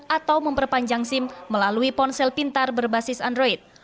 atau memperpanjang sim melalui ponsel pintar berbasis android